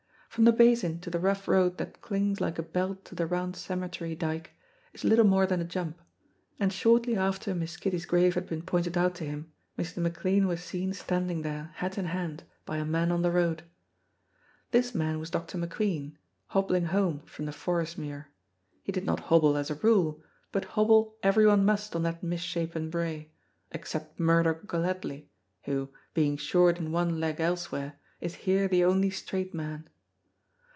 From the Basin to the rough road that clings like a belt to the round cemetery dyke is little more than a jump, and shortly after Miss Kitty's grave had been pointed out to him. Mr. McLean was seen standing there hat in hand by a man on the road. This man was Dr. McQueen hobbling home from the Forest Muir; he did not hobble as a rule, but hobble everyone must on that misshapen brae, except Murdoch Gelatley, who, being short in one leg elsewhere, is here the only straight man.